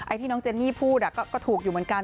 ที่น้องเจนนี่พูดก็ถูกอยู่เหมือนกัน